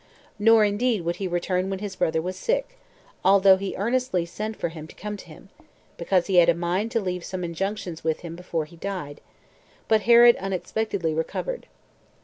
Nor indeed would he return when his brother was sick, although he earnestly sent for him to come to him, because he had a mind to leave some injunctions with him before he died; but Herod unexpectedly recovered.